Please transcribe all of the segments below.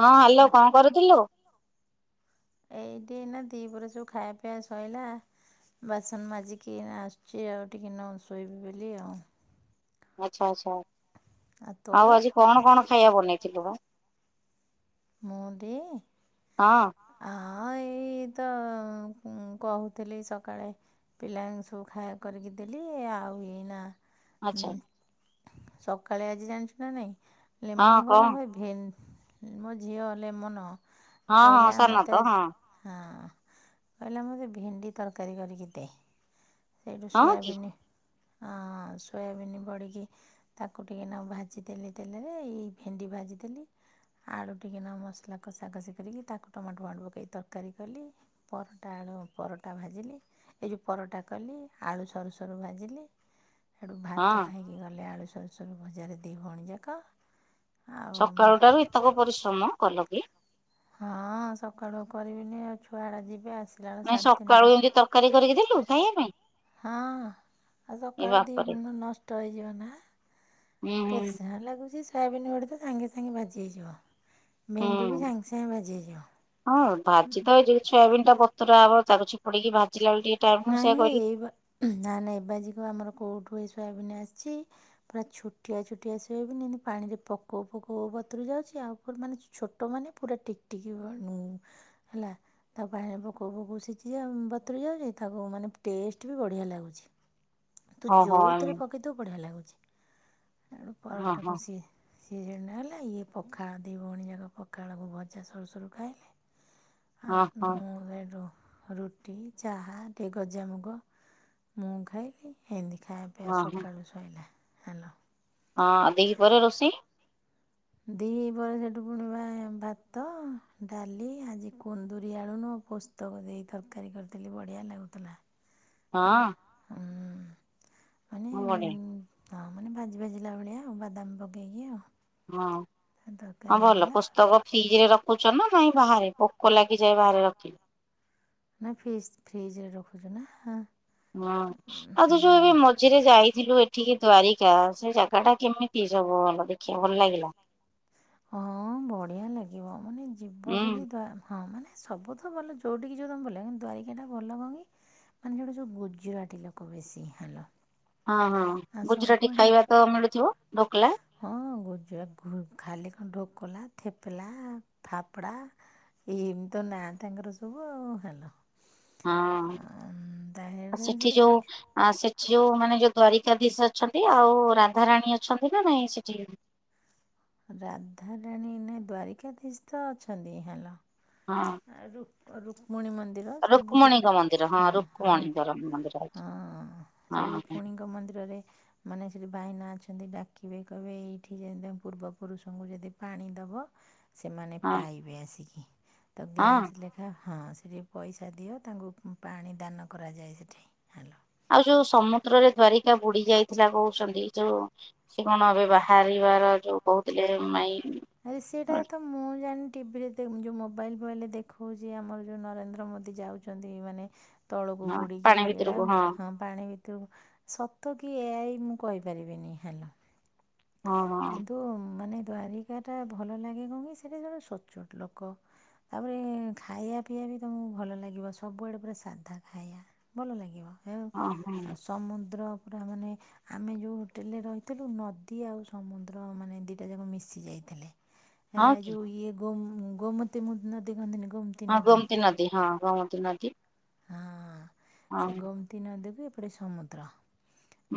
ହଁ, ହାଲୋ କ କଣ କରୁଥିଲୁ? ଏଇଠି ଏଇ ନା ଦି ପରେ ସବୁ ଖାଇବା ପିଇବା ସଇଲା। ବାସନ ମାଜିକି ଏଇନା ଆଶିଚି ଆଉ ଟିକଏ ନାକୁ ଶୋଇବି ବୋଲି ଆଉ। ଆଚ୍ଛା ଆଚ୍ଛା। ଆଉ ଆଜି କଣ କଣ ଖାଇବା ବନେଇଥିଲୁ ବା? ମୁଁ ଟି? ହଁ। ହଁ ଏଇ ତ ଅ କହୁଥିଲି ସକାଳେ ପିଲାଙ୍କୁ ସବୁ ଖାଇବା କରିକି ଦେଲି। ଆଉ ଏଇନା ଆଚ୍ଛା ହୁଁ ସକାଳେ ଆଜି ଜାଣିଚୁ ନା ନାଇଁ ହଁ ଲେମନ କଣ ଗଲା ଆମର ଭ ମୋ ଝିଅ ଏ ଲ ମନ ହଁ ହଁ କହିଲା ସାନ ମୋତେ ତ ଆ ହଁ ହଁ କହିଲା ମୋତେ ଭେଣ୍ଡି ତରକାରୀ କରିକି ଦେ। ସେଇଠୁ ହଁ କି ସୋୟାବିିନି ସୋୟାବିିନ ବଡ଼ିକି ତାକୁ ଟିକେ ନାକୁ ଭାଜିଦେଲି ତେଲରେ ଏଇ ଭେଣ୍ଡି ଭାଜିଦେଲି। ଆଳୁ ଟିକେ ନ ମସଲାକୁ କଷାକଷି କରିକି ତାକୁ ଟମାଟୋ ଫମାଟ ପକେଇ ତରକାରୀ କଲି। ପରଟା ଆଳୁ ପରଟା ଭାଜିଲି। ଏଇ ଯୋଉ ପରଟା କଲି ଆଳୁ ସରୁ ସରୁ ଭାଜିଲି। ସେଠୁ ଭାତ ହଁ ଖାଇକି ଗଲେ ଆଳୁ ସରୁ ଭଜାରେ ଦି ଭଉଣୀ ଯାକ। ଆଉ ସକାଳୁ ଟାରେ ଏତକ ପରିଶ୍ରମ କଲ କି? ହଁ, ସକାଳୁ କରିବିନି ଆଉ ଛୁଆ ଟା ଯିବେ ଆସିଲା ବେଳକୁ ସାଢେ ତିନିଟା। କର କରିକି ଦେଲୁ ଖାଇବା ପାଇଁ। ହଁ ଆଉ ଏ ସକାଳେ ଦି ବାପରେ ଦିନ ନଷ୍ଟ ହେଇଯିବ ନା। ହୁଁ କେତ ହୁଁ ସମୟ ଲାଗୁଚି। ସୋୟାବିନ୍ ଗୁଡେ ତ ସାଙ୍ଗେ ସାଙ୍ଗେ ଭାଜି ହେଇଯିବ। ଭେଣ୍ଡି ବି ହୁଁ। ସାଙ୍ଗେ ସାଙ୍ଗେ ଭାଜି ହୋଇଯିବ। ହଁ, ଭାଜି ତ ଏଇ ଯ ସୋୟାବିନନ୍ ଟା ଵତୁର ହବ ଚିପୁଡିକି ଭାଜିଲା ବେଳକୁ ଟିକେ ଟାଇମ୍ ମୁଁ ନାଇଁ ସେଇଆ ନାଇଁ, କହିଲି ଏଇ ବା ନା ନାଁଇ ଏବାଜକୁ ଆମର କେଉଁଠୁ ଏ ସୋୟାବନ୍ ଆସିଚି? ପୁରା ଛୋଟିଆ ଛୋଟିଆ ସୋୟାବିନ, ଏନ୍ତି ପାଣିରେ ପକଉ ପକଉ ବତୁରି ଯାଉଚି ଆଉ ପୁରା ମାନେ ଛୋଟମାନେ ପୁରା ଟିକ୍ ଟିକ୍ ବଣୀ। ହେଲା। ତ ପାଣିରେ ପୋକଉ ପକଉ ଭୋକ ସିଝି ବତୁରି ଯାଉଚି। ତାକୁ ମାନେ ଟେଷ୍ଟ ବି ବଢ଼ିଆ ଲାଗୁଚି। ତୁ ହଁ ହଁ ଏମି ଯଉଥିରେ ପକ୍ ତେ ପକେଇ ଦବୁ ବଢ଼ିଆ ଲାଗୁଚି। ଆଉ ହଁ ହଁ ପରଟାକୁ ସିଏ ସିଏ ଜଣେ ହେଲା ଇଏ ପଖାଳ ଦି ଭଉଣୀ ଯାକ ପଖାଳକୁ ଭଜା ସରୁ ସରୁ ଖାଇଲେ। ଆ ହଁ ହଁ ମୁଁ ଏଠୁ ରୁଟି ଚାହା ଟିକେ ଗଜାମୁଗ ମୁଁ ଖାଇଲିି ଏମିତି ଖାଇବାପିବା ହଁ ସକାଳୁ ଶଇଲା ହ୍ୟାଲୋ। ହଁ ଦୀପହରେ ରୋଷେଇ ଦି ପହରେ ସେଠୁ ପୁଣି ବା ଭାତ ଡାଲି ଆଜି କୁନ୍ଦୁରି ଆଳୁ ନୁହଁ ପୋସ୍ ତକ ଦେଇ ତରକାରୀ କରିଥିଲି ବଢ଼ିଆ ଲାଗୁଥିଲା। ହଁ ହେଲୋ ହୁଁ ମାନ [unintelligible] ହଁ ଆଉ ମାନେ ଭାଜି ଭାଜିଲା ଭଳିଆ ଆଉ ବାଦାମ ପକେଇକି ଆଉ। ହଁ ହଁ ତରକାରୀ ଭଲ ହେଇଥିଲା ପୁସ୍ତକ ଫ୍ରିଜ ରେ ରଖୁଛ ନା ନାଇଁ ବାହାରେ ପୋକ ଲାଗିଯାଏ ବାହାରେ ରଖିଲେ। ନା ଫ୍ରିଜ ଫ୍ରିଜ ରେ ରଖୁଛୁ ନା ହଁ। ହଁ ଆଉ ତୁ ଯୋଉ ଏବେ ମ ଝିରେ ଯାଇଥିଲୁ ଏଠିକି ଦ୍ଵାରିକା ସେ ଜାଗା ଟା କେମିତି ସବୁ ଭଲ ଦେଖିବା ଭଲ ଲାଗିଲା। ହଁ ବଢିଆ ଲାଗିବ ମାନେ ଯିବ ହୁଁ ଯଦି ହଁ ମାନେ ସବୁ ତ ଭଲ ଯୋଉଠିକି ଯିବ ତମେ ଭଲ ଲାଗିବ କିନ୍ତୁ ଦ୍ୱାରିକାଟା ଭଲ କନ୍ କି ମାନେ ଯୋଉଟୁ ଯୋଉ ଗୁଜୁରାଟ ଲୋକ ବେଶୀ ହେଲା। ହଁ ହଁ ଗୁଜୁରାଟି ଖାଇବା ତ ମିଳୁଥିବ ଢୋକଲା। ହଁ ଗୁଜରା ଭୁ ଖାଲି କ ଢୋକଲା ଥେପଲା ଫାପଡା ଏଇ ଏମି ତ ନା ତାଙ୍କର ସବୁ ଆଉ ହେଲୋ। ହଁ ତାହେଲେ ସେଠି ଭଲ ଯଉ ଆ ସେଠି ଯୋଉ ମାନେ ଯୋଉ ଦ୍ଵାରିକାଧୀଶ ଅଛନ୍ତି ଆଉ ରାଧାରାଣୀ ଅଛନ୍ତି ନା ନାଇଁ ସେଠି। ରାଧାରାଣୀ ନା ଦ୍ୟାରିକଧୀଶ ତ ଅଛନ୍ତି ହେଲୋ ହଁ ଆ ରୁ ରୁକ୍ମଣିୀ ମନ୍ ନ୍ଦର ସବୁ ରୁକ୍ମଣୀଙ୍କ ସେପଟେ ମନ୍ଦିର ହଁ ହଁ ରୁକ୍ମଣୀଙ୍କର ମନ୍ଦିର ଅଛି ହଁ ହଁ ସେଇ ରୁକ୍ ହଁ କ୍ମଣୀ ଙ୍କ ମନ୍ଦିରରେ ମାନେ ସେଠି ବାଇନା ଅଛନ୍ତି ଡାକିବେ କହିବେ ଏଇଠି ଯେ ତମ ପୂର୍ବ ପୁରୁଷଙ୍କୁ ଯଦି ପାଣି ଦବ ସେମାନେ ହଁ ପାଇବେ ଆସିକି। ତ ହଁ। ଗ୍ଲାସ ଲେଖା ହଁ ସେଠି ପଇସା ଦିଅ ତାଙ୍କୁ ପାଣି ଦାନ କରାଯାଏ ସେଠି ହେଲୋ। ଆଉ ଯୋଉ ସମୁଦ୍ରରେ ଦ୍ଵାରିକା ବୁଡି ଯାଇଥିଲା କହୁଛନ୍ତି ଯୋଉ ସେ କଣ ଏବେ ବାହାରିବାର ଯୋଉ କହୁଥିଲେ ମାଇ ଆ ସେଟା ତ ମୁଁ ଜାଣ ଟିଭିରେ ଯୋଉଁ ମୋବାଇଲ ଫୋବାଇଲରେ ଦେଖାଉଛି ଆମର ଯେୋଉ ନରେନ୍ଦ୍ର ମୋଦି ଯାଉଛନ୍ତି ମାନେ ତଳକୁ ହଁ ବୁଡ଼ିକି ପାଣି ଏଡ଼ା ଭିତରକୁ ହଁ। ପାଣି ଭିତରୁ ସତ କି ଏ ଆଇ ମୁଁ କହିପାରିବିନି ହେ୍ଲୋ। ହଁ ହଁ କିନ୍ତୁ ମାନେ ଦ୍ଵାରିକା ଟା ଭଲ ଲାଗେ କ କି ସେଟି ସବୁ ସଚୋଟ ଲୋକ। ତାପରେ ଖାଇବା ପିଇବା ବି ତମକୁ ଭଲ ଲାଗିବ ସବୁଆଡ଼େ ପୁରା ସାଧା ଖାଇବା। ଭଲ ଲାଗିବ। ହେଉ ହଁ ଆଉ ହଁ ସମୁଦ୍ର ପୁରା ମାନେ ଆମେ ଯୋଉ ହୋଟେଲରେ ରହିଥିଲୁ ନ ଦୀ ଆଉ ସମୁଦ୍ର ମାନେ ଦିଟା ଯାକ ମିଶି ଯାଇଥିଲେ ହଁ ହେଲା ଏ କି ଯୋଉ ଇଏ ଗୋମ ଗୋମୁତି ମୁ ନଦୀ କୁହନ୍ତିନି ଗୋମ ହଁ ଗୋମତି ନଦୀ ହଁ ଗମତି ନଦୀ ହଁ ହଁ ସେ ଗୋମତି ନଦି କୁ ଏପଟେ ସମୁଦ୍ର।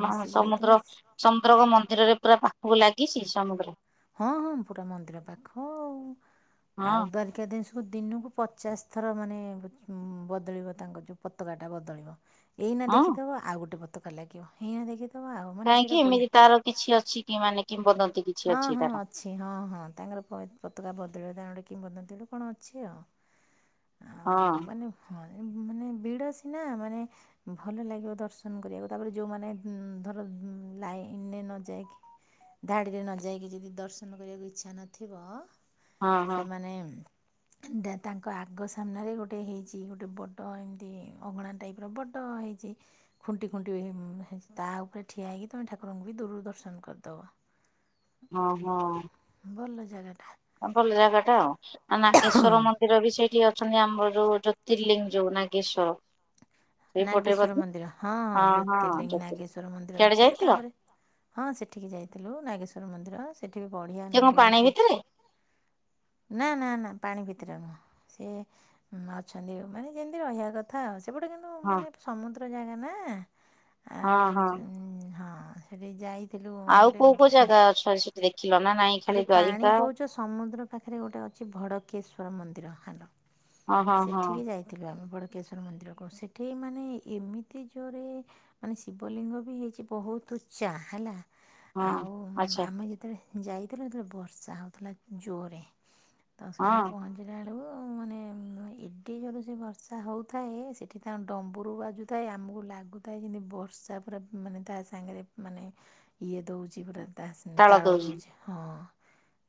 ମା ମିଶି ସମୁଦ୍ର ଯାଇଥିଲା ସମୁଦ୍ରଙ୍କ ମନ୍ଦିରରେ ପୁରା ପାଖକୁ ଲାଗିଚି ସମୁଦ୍ର। ହଁ ହଁ ପୁରା ମନ୍ଦିର ପାଖ ଆଉ ହଁ ଆଉ ଦ୍ୱାର କାଧିଶ ଦିନକୁ ପଚାଶ ଥର ମାନେ ବଦଳିବ ତାଙ୍କ ଯୋଉ ପତାକା ଟା ବଦଳିବ। ଏଇନା ହଁ ଦେଖିଥିବ ଆଉ ଗୋଟେ ପତାକା ଲାଗିବ ଏଇନା ଦେଖି କାହିଁକି ଏମିତି ତାର କିଛି ଅଛି କି ମାନେ କିମ୍ୱଦନ୍ତୀ କି ହଁ ହଁ ଅଛି ହଁ ହଁ ତାଙ୍କର ପଇତପତକା କିମ୍ବଦନ୍ତୀ କଣ ଅଛି ଆଉ। ଆଉ ହଁ ମାନେ ହଁ ମାନେ ଭିଡ଼ ସିନା ମାନେ। ଭଲ ଲାଗିବ ଦର୍ଶନ କରିବାକୁ ତାପରେ ଯେଉମାନେ ହୁ ଧର ଲାଇନରେ ନ ଯାଇକି। ଯିଏ ନଯାଇକି ଯଦି ଦର୍ଶନ କରିବାକୁ ଇଚ୍ଛା ନଥିବ ହଁ ହଁ ସେମାନେ। ତାଙ୍କ ଆଗ ସାମ୍ନାରେ ଗୋଟେ ହେଇଛି ଗୋଟେ ବଡ ଏମିତି ଅଗଣା ଟାଇପର ବଡ। ଡ ହେଇଛି। ଖୁଣ୍ଟି ଖୁଣ୍ଟି ଉଁ ହେଇଛି ତ ଉପରେ ଠିଆ ହୋଇକି ତୁମେ ଠାକୁରଙ୍କୁ ବି ଦୂରରୁ ଦର୍ଶନ କରିଦେବ। ହଁ ହଁ। ଭଲ ଜାଗାଟା। ଭଲ ଜାଗାଟା ଆଉ ନାଗେଶ୍ଵର ମନ୍ଦିର। ମନ୍ଦିର ବି ସେଇଠି ଅଛନ୍ତି ଆମର ଯୋଉ‌ ଜ୍ୟୋତିର୍ଲିଙ୍ଗ ଯୋଉ ନାଗେଶ୍ଵର। ସେଇପଟେ ନାଗେଶ୍ଵର ବୋଧେ ମନ୍ଦିର ହଁଁ ହଁ ହଁ ଜ୍ୟୋତିର୍ଲିଙ୍ଗ ନାଗେଶ୍ଵର ମନ୍ଦିର ସିଆଡେ ଅଛି ଯାଇଥିଲ ତାପରେ। ହଁ ସେଠିକି ଯାଇଥିଲୁ ନାଗେଶ୍ୱର ମନ୍ଦିର ସେଠି ବି ବଢ଼ିଆ ସେ କଣ ଲାଗିବ ପାଣି ସେଠି। ଭିତରେ? ନା ନା ନା ପାଣି ଭିତରେ ନୁହଁ ସେ। ହୁଁ ଅଛନ୍ତି ମାନେ ଯେମିତି ରହିବା କଥା ଆଉ ସେପଟେ କିନ୍ତୁ। ହଁ ମାନେ ସମୁଦ୍ର ଜାଗା ନା ହଁ ଆଉ ହଁ ହୁଁ ଉଁ ହଁ ସେଠି ଯାଇ। ଆଉ କୋଉ କୋଉ ଜାଗା ଅଛି ସେଠି ଦେଖିଲ ନା ନାଇଁ। ଯୋଉ ଖାଲି ପାଣି ଦ୍ୱାରିକା କହୁଛ। ସମୁଦ୍ର ପାଖରେ ଗୋଟେ ଅଛି ଭଡ଼କେଶ୍ୱର ମନ୍ଦିର ହାଲୋ ହଁ ହଁ ହଁ ସେଠିକି ଯାଇ। ଥିଲୁ ଆମେ ଭଡ଼କେଶର ମନ୍ଦିରକୁ ସେଠି ମାନେ ଏମିତି ଜୋରରେ। ମାନେ ଶିବଲିଙ୍ଗ ବି ହେଇଛି ବହୁତ ଉଚ୍ଚା ହେଲା ହଁ ଆଉ ଆଚ୍ଛା ଆମେ ଯେତେବେଳେ। ଯାଇଥିଲୁ ସେତେବେଳେ ବର୍ଷା ହେଉଥିଲା ଜୋର୍ ରେ ତ ସେଠି ହଁ ପହଞ୍ଚି। ଞ୍ଚିଲା ବେଳକୁ ମାନେ। ଏଡେ ଜୋର୍ ରେ ସେ ବର୍ଷା ହଉଥାଏ ସେଠି ତାଙ୍କ ଡମ୍ବୁରୁ ବାଜୁଥାଏ ଆମକୁ ଲାଗୁ। ଥାଏ ଯେମିତି ବର୍ଷା ପୁରା ମାନେ ତା ସାଙ୍ଗରେ ମାନେ ଇଏ ଦେଉଛି ପୁରା। ତା ସାଙ୍ଗରେ ତାଳ ଦେଉଛି। ହଁ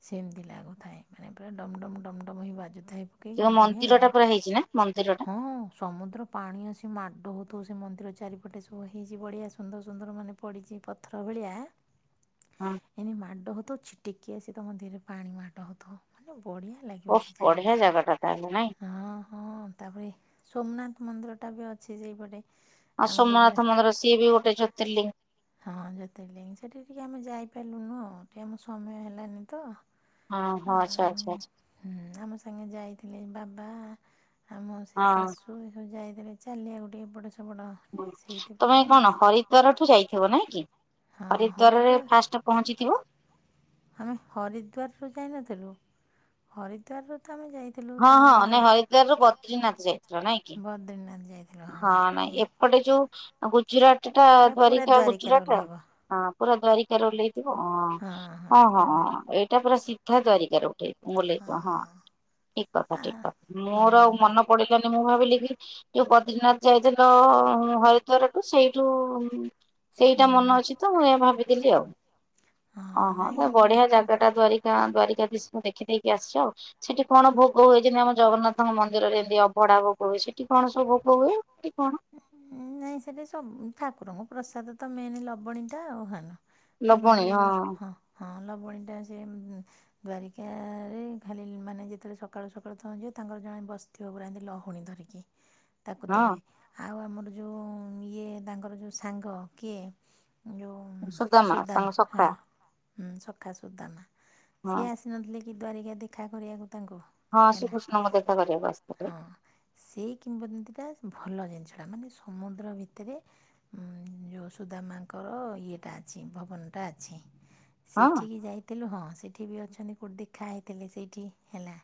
ସେମିତି ଲାଗୁଥାଏ ମାନେ ପୁରା ଡମ୍ ଡମ୍ ଡମ୍ ଡମ୍ ହୋଇ ବାଜୁଥାଏ। କାଇଁ ଯୋଉ ବଢିଆ ମନ୍ଦିର ଟା ଲାଗେ ପୁରା ହେଇଚି ନା ମନ୍ଦିର ଟା ହଁ। ସମୁଦ୍ର ପାଣି ଆସି ମାଡ ହେଉଥିବ ସେ ମନ୍ଦିର ଚାରିପଟେ ସବୁ ହେଇଛି ବଢ଼ିଆ ସୁନ୍ଦର ସୁନ୍ଦର ମାନେ ପଡ଼ିଛି। ପଥର ଭଳିଆ। [inaudible] ଏନେ ମାଡ ହେଉଥିବ ଛିଟିକି ଆସି ତମ ଦିହରେ ପାଣି ମାଡ ହେଉଥିବ ମାନେ ବଢ଼ିଆ। ଲାଗିବ ଓଃ ସେ ଜାଗା ବଢିଆ ଟା ତାହେଲେ ନାଇଁ। ହଁ। ହଁ ତାପରେ ସୋମନାଥ ମନ୍ଦିରଟା ବି ଅଛି ସେଇପଟେ। ଆଉ ଆମ ଗୁଜୁରା ସୋମନାଥ ମନ୍ଦିର ସିଏ ବି ଗୋଟେ ଜ୍ୟୋତିର୍ଲିଙ୍ଗ। ହଁ ଜ୍ୟୋତିର୍ଲିଙ୍ଗ ସେଠିକି ଟିକେ ଆମେ ଯାଇପାରିଲୁନୁ ଆଉ ଟିକେ ଆମକୁ ସମୟ ହେଲାନି ତ। ଓ ହଁ ଆଚ୍ଛା ଆଚ୍ଛା ଆଚ୍ଛା। ହୁଁମ୍ ଆମ ସାଙ୍ଗେ ଯାଇଥିଲେ ବାବା ଆମ ସେଇ ହଁ। ଶାଶୁ। ସବୁ ଯାଇଥିଲେ ଚାଲିବାକୁ ଟିକେ ଏପଟ ସେପଟ। ତମେ ସେଇଥିପାଇଁ ଟିକେ କଣ ସେ ହରିଦ୍ୱାରଠୁ ଯାଇଥିବ ନାଇଁ କି ହଁ ହରିଦ୍ୱାରରେ ହରିଦ୍ୱାର ଫାଷ୍ଟ। ପହଞ୍ଚିଥିବ। ଆମେ ହରିଦ୍ୱାରରୁୁ ଯାଇନଥିଲୁ ହରିଦ୍ୱାରରୁ ତ ଆମେ ଯାଇୁ। ହଁ ହଁ ନାଇଁ ହରିଦ୍ୱାରରୁ ବଦ୍ରିନାଥ ଯାଇଥିଲୁ ନାଇଁ କି। ବଦ୍ରିନାଥ ଯାଇଥିଲୁ। ହଁ ନାଇଁ ଏଇ ଏପଟେ ଯୋଉ। ଗୁଜୁରାଟ ଟା ଏଇଟା ପୁରା ଦ୍ୱାରିକା ଦ୍ୱାରିକାରେ ଗୁଜୁରାଟ ଓହ୍ଲେଇବ ହଁ ପୁରା ଦ୍ୱାରିକାରେ ଓହ୍ଲେଇଥିବ ହଁ। ହଁ ହଁ ହଁ ଏଇଟା ପୁରା ସିଧା ଦ୍ୱାରିକାରୁ ଉଠେଇ ବୁଲେଇଥିବ ହଁ। ଠିକ୍ କଥା ଠିକ୍ ହଁ କଥା ମୋର ଆଉ ହଁ ମନ ପଡ଼ିଲାନି ମୁଁ ଭାବିଲି କି। ଯୋଉ ବଦ୍ରନାଥ ଯାଇଥିଲୁ ହରିଦ୍ଵାର ଠୁ ସେଇଠୁ। ସେଇଟା ମନେ ହଁ ଅଛି ତ ମୁଁ ସେୟା ଭାବିଦେଲି ଆଉ ନାଇଁ ଓହୋ ଆମେ ବଢିଆ ଏପଟ ଜାଗା ଟା ଧରିକି ଦ୍ବାରିକା। ଦ୍ବାରିକା ଧିସ ଦେଖିଦେଇକି ଆସିଛ ସେଠି କଣ ଭୋଗ ହୁଏ ଯେମିତି ଆମ ଜଗନ୍ନାଥଙ୍କ ମନ୍ଦିରରେ ଏମିତି ଅ ‌ ଅଭଡା ଭୋଗ ହୁଏ ସେଠି କଣ ସବୁ ଭୋଗ ହୁଏ କି କଣ? ନାଇଁ ସେଠି ସବ ଠାକୁରଙ୍କ ପ୍ରସାଦ ତ ମେନ୍ ଲବଣୀ ଟା ଆଉ ହାନ‌। ତାଙ୍କର ଯୋଉ ହଁ ହଁ ଲବଣୀ ଟା ସେ ଦ୍ଵାରିକା ରେ ଖାଲି ମାନେ ଯେତେବେଳେ ସକାଳୁ ସକାଳୁ ତମେ ଯିବ ତାଙ୍କର ଜଣେ ବସିଥିବ ପୁରା ଏମ ଲହୁଣୀ ଧରିକି ତାକୁ ହଁ ଦେବେ। ଆଉ ଆମର ଯୋଉ ଇଏ ତାଙ୍କର ଯଉ ସାଙ୍ଗ କିଏ ଯଉ ସୁଦାମା ସୁଦାମ୍ ତାଙ୍କ ହଁ। ସଖା ହୁଁ ସଖା ସୁଦାମା ହଁ। ସିଏ ଆସିନଥିଲେ କି ଦ୍ୱାରିକା ଦେଖା କରିବାକୁ ତାଙ୍କୁ? ହଁ ହେଲା ଶ୍ରୀକୃଷ୍ଣଙ୍କୁ ଦେଖା କରିବାକୁ ହଁ ଆସିଥିଲେ। ସେଇ କିମ୍ବଦନ୍ତୀଟା ଭଲ ଜିନିଷଟା ମାନେ ସମୁଦ୍ର ଭିତରେ ଯୋଉ ସୁଦାମାଙ୍କର ଇଏଟା ଅଛି ଭବନଟା ଅଛି। ହଁ ସେଠିକି ଯାଇଥିଲୁ ହଁ ସେଠି ବି ଅଛନ୍ତି କୋଉଠି ଦେଖା ହେଇଥିଲେ ସେଇଠି ହେଲା।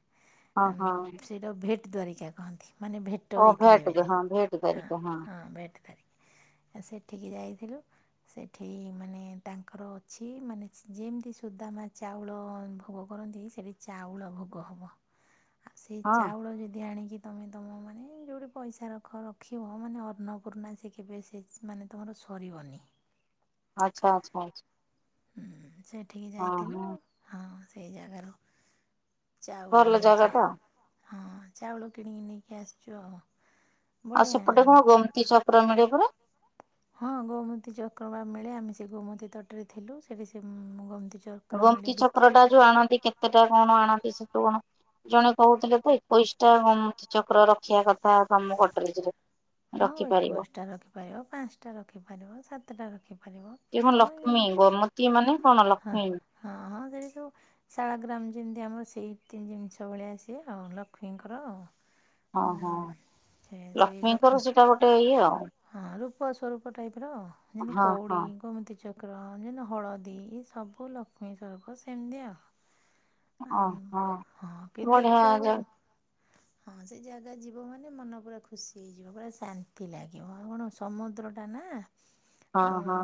ହଁ ହଁ। ସେଇଟାକୁ ଭେଟ୍ ଦ୍ୱାରିକା କହନ୍ତି ମାନେ ଭେଟ ଓ ହେଇଥିଲେ ଦେ ବୋଲି ହଁ ଭେଟ ହଁ ଦ୍ୱାରିକା ହଁ ଭେଟ୍ ଦରିକା। ସେଠିକି ଯାଇଥିଲୁ। ସେଠି ମାନେ ତାଙ୍କର ଅଛି ମାନେ ଯେମିତି ସୁଦାମା ଚାଉଳ ଭୋଗ କରନ୍ତି। ସେଠି ଚାଉଳ ଭୋଗ ହେବ। [unintelligible] ଆଉ ସେଇ ହଁ। ଚାଉଳ ଯଦି ଆଣିକି ତମେ ତମ ମାନେ ଯୋଉଠି ପଇସା ରଖ ରଖିବ ମାନେ ଅର୍ଣ୍ଣପୂର୍ଣା ସେ କେବେ ସେ ମାନେ ତୁମର ସରିବନି। ଆଚ୍ଛା ଆଚ୍ଛା ଆଚ୍ଛା। ହୁଁ ସେଠିକି ହଁ ଯାଇଥିଲୁ ହଁ ହଁ ସେଇ ଜାଗାରୁ ଚାଉଳ ଭଲ ଜାଗା ନେଇକି ଆ ଟା ହଁ ଚାଉଳ କିଣିକି ନେଇକି ଆସିଛୁ ଆଉ। ଆଉ ସେପଟେ ବଢ଼ିଆ କଣ ଗମତି [inaudible] ମିଳେପରା। ହଁ ଗୋମତୀ ଚକ୍ରବା ମିଳେ ଆମେ ସେ ଗୋମତୀ ତଟରେ ଥିଲୁ ସେଠି ସେ ଗୋମତୀ ଚ ଗୋମତୀ ଚକ୍ରଟା ଯୋଉ ଆଣନ୍ତି କେତେଟା କଣ ଆଣନ୍ତି ସେଠୁ କଣ ଜଣେ କହୁଥିଲେ ତ ଏକୋଇଶିଟା ଗମତି ଚକ୍ର ର ଖିଆ କଥା ତମ ଗଡରେଜ୍ ରେ ରଖିପାରିବ। ପାରିବ ପାଞ୍ଚଟା ରଖିପାରିବ ସାତଟା ରଖିପାରିବ। ଇଏ କଣ ତମେ ଲକ୍ଷ୍ମୀ ଗୋମତୀ ମାନେ କଣ ହଁ ଲକ୍ଷ୍ମୀ? ହଁ ସେଇସବୁ ଶାଳଗ୍ରାମ୍ ଯେମିତି ଆମର ସେଇ ତି ଜିନିଷ ଭଳିଆ ସିଏ ଆଉ ଲକ୍ଷ୍ମୀଙ୍କର ଆଉ। ଓହୋ ସେ ସେଇ ଲକ୍ଷ୍ମୀ ଲକ୍ଷ୍ମୀଙ୍କର ସେଇଟା ଗୋଟେ ଇଏ ଆଉ। ହଁ ରୂପସ୍ଵରୂପ ଟାଇପ୍ ର ଯେମିତି ହଁ କଉଡି ହଁ ଗୋମିତି ଚ କ୍ର ଯେମିତି ହଳଦୀ ଏ ସବୁ ଲକ୍ଷ୍ମୀ ସ୍ଵରୂପ ସେମତି ଆଉ। ଆଉ ଓହୋ ହଁ କେନ୍ତି ବଢିଆ ଦେଖିବାକୁ? ଯା ହଁ ସେ ଜାଗା ଯିବ ମାନେ ମନ ପୁରା ଖୁସି ହେଇଯିବ ପୁରା ଶାନ୍ତି ଲାଗିବ କଣ ସମୁଦ୍ରଟା ନା। ହଁ ଆମ ହଁ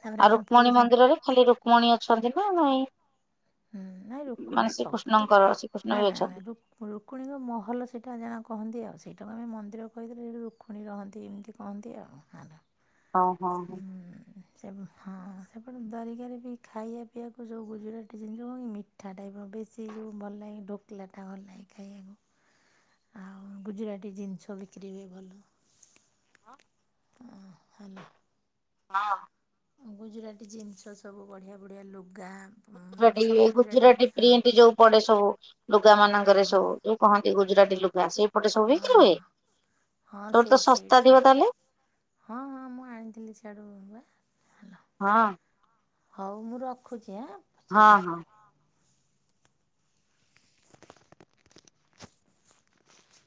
ତାପରେ ଆଉ ଆମ ପୁରୀ ରୁକ୍ମଣୀ ସମ ମନ୍ଦିରରେ ଖାଲି ରୁକ୍ମଣୀ ଅଛନ୍ତି ନା ନାଇଁ? ହୁଁ ନାଇଁ ମାନେ ରୁକ୍ମଣୀ ସବୁ ତ ଶ୍ରୀକୃଷ୍ଣଙ୍କର ଶ୍ରୀକୃଷ୍ଣ ନାଇଁ ବି ନାଇଁ ଅଛନ୍ତି ନାଇଁ ରୁ ରୁକ୍ମଣୀଙ୍କ ମହଲ ସେଇଟା ଜାଣ କହନ୍ତି ଆଉ ସେଇଟାକୁ ଆମେ ମନ୍ଦିର କହିଦେଲେ ସେଠୀ ରୁକ୍ମଣୀ ରହନ୍ତି ଏମିତି କୁହନ୍ତି ଆଉ ହ ହଉ ହଁ ହଁ। ସେ ହଁ ସେପଟେ ଦ୍ୱାରିକାରେ ବି ଖାଇବା ପିଇବାକୁ ଯୋଉ ଗୁଜୁରାଟି [unintelligible] ମି ମିିଠା ଟାଇପ୍ ର ବେଶୀ ଯୋଉ ଭଲ ଲାଗେ ଢୋକଲାଟା ଭଲ ଲାଗେ ଖାଇବାକୁ। ଆଉ ଗୁଜୁରାଟି ଜିନିଷ ବିକ୍ରି ହୁଏ ଭଲ। [inaudible] ଆଁ ହେଲା। ହଁ। ଗୁଜୁରାଟି ଜିନିଷ ସବୁ ବଢ଼ିଆ ବଢ଼ିଆ ଲୁଗା। ମାନେ ଗୁଜୁରାଟି ସବୁ ଗୁଜୁରାଟୀ ଗୁଜୁରାଟି ହଁ ପ୍ରିଣ୍ଟ ଯୋଉ ପଡେ ସବୁ। ଲୁଗା ମାନଙ୍କରେ ହଁ ସବୁ ଯୋଉ କହନ୍ତି ହଁ ଗୁଜୁରାଟ ହଁ ଲୁଗା ସେଇପଟେ ସବୁ ହେକି ହଁ ରୁହେ। ହଁ ହଁ ତର ତ ସେଇଠି ସେଇଠି ଶସ୍ତା ସବୁ ଥିବ ତାହେଲେ। ହଁ ହଁ ମୁଁ ଆଣିଥିଲି ସିଆଡ଼ୁ ବା ହାଲୋ। ହଁ। ହଉ ମୁଁ ରଖୁଛି ଆଁ। ପଛରେ ହଁ କଥା ହଁ। ହେବା